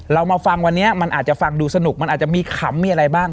เรามาฟังวันนี้มันอาจจะฟังดูสนุกมันอาจจะมีขำมีอะไรบ้าง